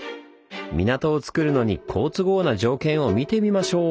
港をつくるのに好都合な条件を見てみましょう！